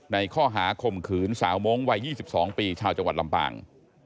ในข้อหาข่มขืนสาวมงค์วัย๒๒ปีชาวจังหวัดลำปาง